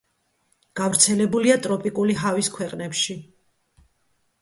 გავრცელებულია ტროპიკული ჰავის ქვეყნებში.